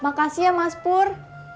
makasih ya mas pur